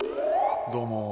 どうも。